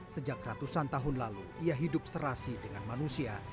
sejak ratusan tahun lalu ia hidup serasi dengan manusia